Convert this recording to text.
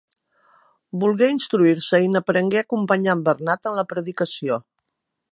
Volgué instruir-se i n'aprengué acompanyant Bernat en la predicació.